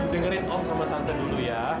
dengerin om sama tante dulu ya